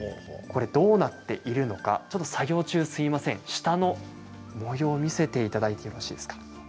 これ、どうなっているのかちょっと作業中すいません下の模様、見せていただいてよろしいですか。